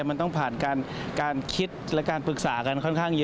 มันต้องผ่านการคิดและการปรึกษากันค่อนข้างเยอะ